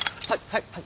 はい。